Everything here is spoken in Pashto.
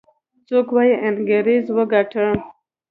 څوک وايي انګريز وګاټه.